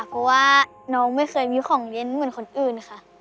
เพราะว่าน้องไม่เคยมีของเล่นเหมือนคนอื่นค่ะ